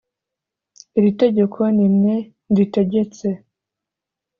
iri tegeko ni mwe nditegetse.